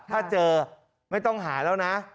ถ้าเจอไม่ต้องหาแล้วนะ